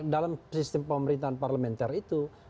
dalam sistem pemerintahan parlementer itu